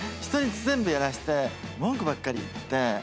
人に全部やらして文句ばっかり言って。